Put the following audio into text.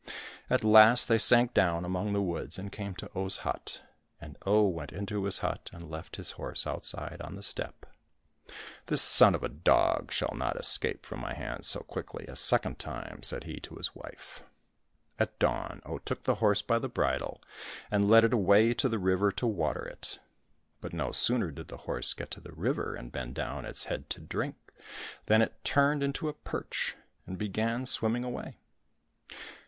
At last they sank down among the woods and came to Oh's hut, and Oh went into his hut and left his horse outside on the steppe. " This son of a dog shall not escape from my hands so quickly a second time," said he to his wife. At dawn Oh took the horse by the bridle and led it away to the river to water it. But no sooner did the horse get to the river and bend down its head to drink than it turned into a perch and began swimming away.